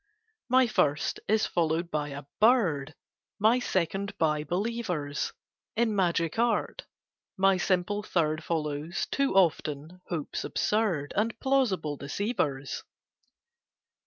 My First is followed by a bird: My Second by believers In magic art: my simple Third Follows, too often, hopes absurd And plausible deceivers.